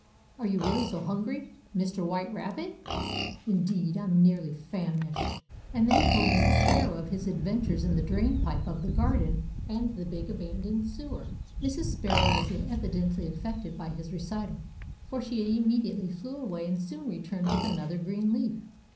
"Are you really so hungry, Mr. White Rabbit?" "Indeed, I am nearly famished." And then he told Mrs. Sparrow of his adventures in the drain pipe of the garden and the big abandoned sewer. Mrs. Sparrow was evidently affected by his recital, for she immediately flew away and soon returned with another green leaf.